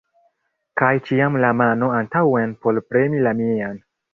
Kaj ĉiam la mano antaŭen por premi la mian!